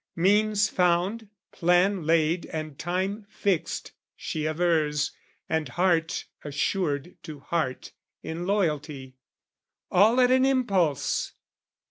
Means found, plan laid and time fixed, she avers, And heart assured to heart in loyalty, All at an impulse!